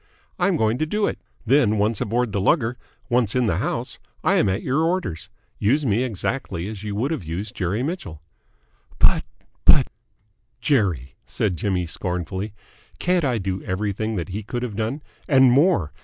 I'm going to do it. Then, once aboard the lugger once in the house, I am at your orders. Use me exactly as you would have used Jerry Mitchell." "But but !" "Jerry!" said Jimmy scornfully. "Can't I do everything that he could have done? And more.